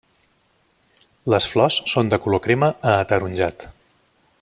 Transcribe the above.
Les flors són de color crema a ataronjat.